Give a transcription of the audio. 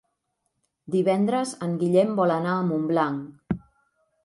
Divendres en Guillem vol anar a Montblanc.